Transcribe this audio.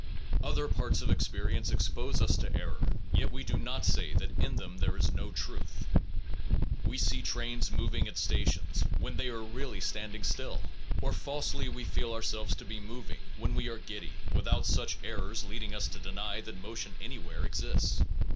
Other parts of experience expose us to error, yet we do not say that in them is no truth. We see trains moving at stations, when they are 209 SOME PROBLEMS OF PHILOSOPHY really standing still, or falsely we feel ourselves to be moving, when we are giddy, without such errors leading us to deny that motion anywhere exists.